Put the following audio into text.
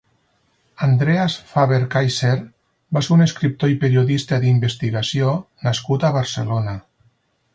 Andreas Faber-Kaiser va ser un escriptor i periodista d'investigació nascut a Barcelona.